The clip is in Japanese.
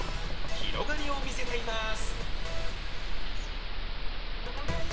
広がりを見せています。